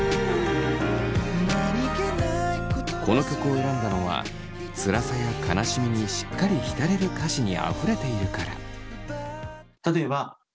この曲を選んだのはつらさや悲しみにしっかり浸れる歌詞にあふれているから。